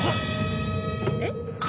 えっ？